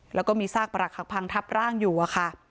แล้วก็มีซากประหลักหักพังทับร่างอยู่อะค่ะ